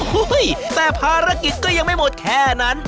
เฮ้ยแต่ภารกิจก็ยังไม่หมดแค่นั้น